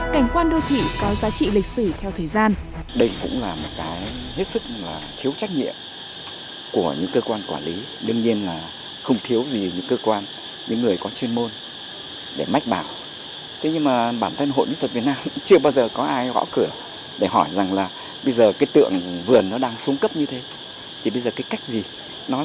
cảnh quan đô thị có giá trị lịch sử theo thời gian